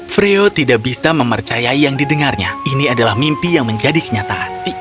freo tidak bisa mempercayai yang didengarnya ini adalah mimpi yang menjadi kenyataan